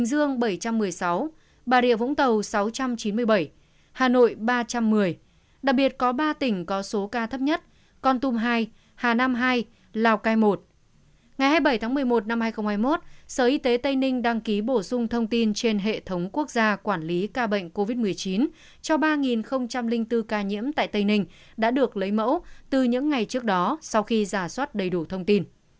trong tháng một mươi một năm hai nghìn hai mươi một sở y tế tây ninh đăng ký bổ sung thông tin trên hệ thống quốc gia quản lý ca bệnh covid một mươi chín cho ba bốn ca nhiễm tại tây ninh đã được lấy mẫu từ những ngày trước đó sau khi giả soát đầy đủ thông tin